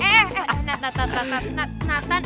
eh eh eh natan natan natan